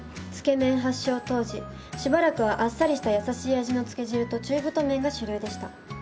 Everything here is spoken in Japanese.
つけ麺発祥当時しばらくはあっさりした優しい味のつけ汁と中太麺が主流でした。